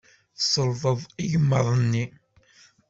Tselḍeḍ igmaḍ-nni.